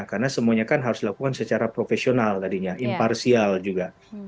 karena semuanya kan harus dilakukan secara profesional tadinya imparsial juga